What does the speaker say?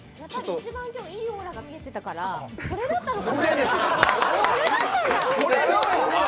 一番今日いいオーラが見えてたからこれだったんだ！